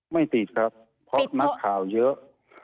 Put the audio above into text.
ไม่ติดครับเพราะนักข่าวเยอะ